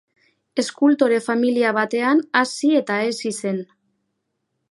Eskultore-familia batean hazi eta hezi zen.